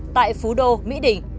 tại phú đô mỹ đình